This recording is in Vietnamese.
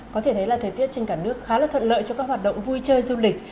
có thể thấy là thời tiết trên cả nước khá là thuận lợi cho các hoạt động vui chơi du lịch